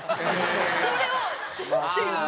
それをシュパ！っていう。